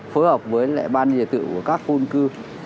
phối hợp với lệ ban địa tự của các khuôn cư